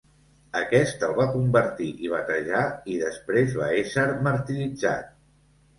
Aquest el va convertir i batejar i després va ésser martiritzat.